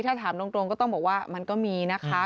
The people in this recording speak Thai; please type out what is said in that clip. ถ้าถามตรงก็ต้องบอกว่ามันก็มีนะคะ